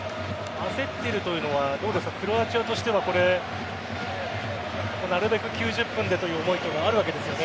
焦ってるというのはクロアチアとしてはなるべく９０分でという思いはあるわけですよね。